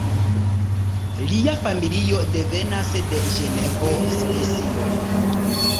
Lia familio devenas de Ĝenevo, Svisio.